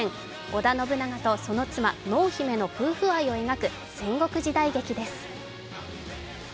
織田信長とその妻・濃姫の夫婦愛を描く戦国時代劇です。